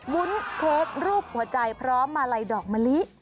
วุ้นเค้กรูปหัวใจพร้อมมาลัยดอกมะลิ